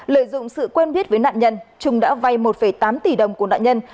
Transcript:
lợi dụng sự quen biết với nạn nhân trung đã vay một tám tỷ đồng của nạn nhân